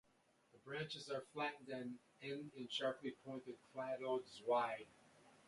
The branches are flattened and end in sharply pointed cladodes wide.